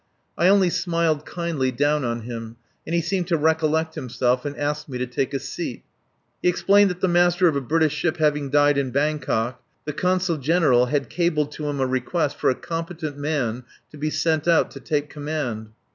I only smiled kindly down on him, and he seemed to recollect himself, and asked me to take a seat. He explained that the master of a British ship having died in Bangkok the Consul General had cabled to him a request for a competent man to be sent out to take command.